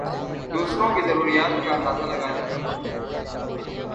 دوسروں کی ضروریات کا اندازہ لگا لیتا ہوں